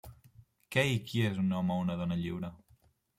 Què i qui és un home o una dona lliure?